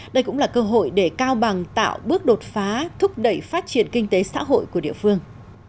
đây cũng là cơ hội để cao bằng tạo bước đột phá thúc đẩy phát triển kinh tế xã hội của địa phương